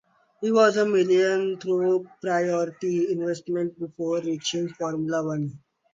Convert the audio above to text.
He was a millionaire through property investment before reaching Formula One.